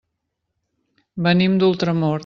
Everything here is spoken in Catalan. Venim d'Ultramort.